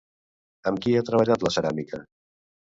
Amb qui ha treballat la ceràmica?